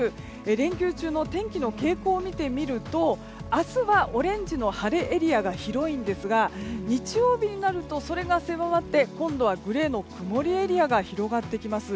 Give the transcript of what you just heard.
連休中の天気の傾向を見てみると明日はオレンジの晴れエリアが広いんですが日曜日になるとそれが狭まって今度はグレーの曇りエリアが広がってきます。